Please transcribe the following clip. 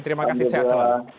terima kasih sehat selalu